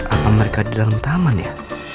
apa mereka di dalam taman ya